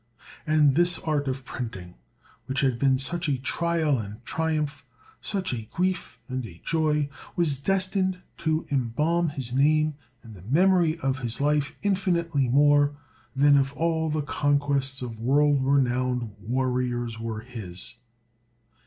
And this art of printing, which had been such a trial and triumph, such a grief and a joy, was destined to embalm his name and the memory of his life infinitely more than if all the conquests of world renowned warriors were his.